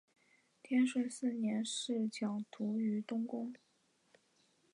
天顺四年侍讲读于东宫。